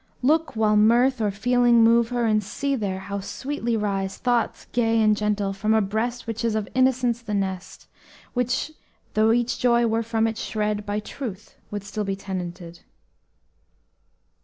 Look while mirth or feeling move her, And see there how sweetly rise Thoughts gay and gentle from a breast Which is of innocence the nest Which, though each joy were from it shred, By truth would still be tenanted!"